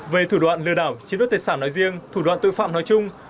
về thủ đoạn lừa đảo chiếm đoạt tài sản nói riêng thủ đoạn tội phạm nói chung